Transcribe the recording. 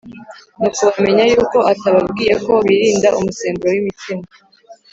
Nuko bamenya yuko atababwiye ko birinda umusemburo w’imitsima,